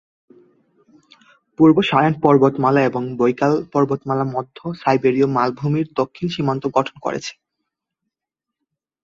পূর্ব Sayan পর্বতমালা এবং Baikal পর্বতমালা মধ্য সাইবেরীয় মালভূমির দক্ষিণ সীমান্ত গঠন করেছে।